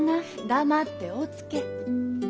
黙っておつけ。